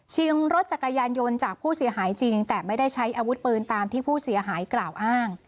รถจักรยานยนต์จากผู้เสียหายจริงแต่ไม่ได้ใช้อาวุธปืนตามที่ผู้เสียหายกล่าวอ้าง